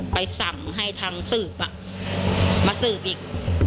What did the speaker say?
ไปสั่งให้ทางสืบมาสืบอีก